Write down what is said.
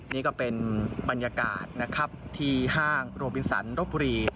นี่ก็เป็นบรรยากาศนะครับที่ห้างโรบินสันรบบุรี